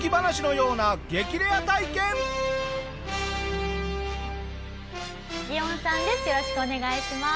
よろしくお願いします。